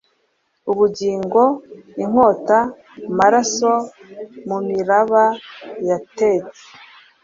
Ubugingo inkota-maraso mumiraba yatetse